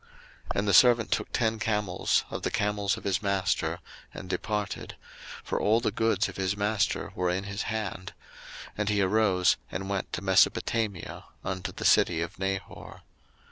01:024:010 And the servant took ten camels of the camels of his master, and departed; for all the goods of his master were in his hand: and he arose, and went to Mesopotamia, unto the city of Nahor.